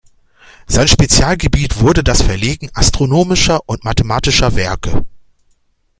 Sein Spezialgebiet wurde das Verlegen astronomischer und mathematischer Werke.